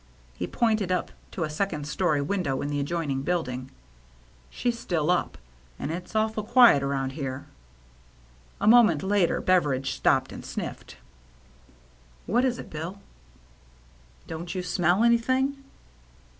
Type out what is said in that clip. He pointed up to a second story window in the adjoining building. " She's still up ; and it's awful quiet around here." A moment later Beveridge stopped and snifFed. "What is it. Bill?" " Don't you smell anything